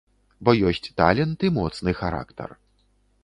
Бо ёсць талент і моцны характар.